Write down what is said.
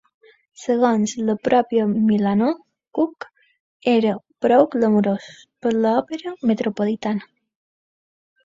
Segons la pròpia Milanov, "Kunc" no era prou "glamurós" per a l'Òpera Metropolitana.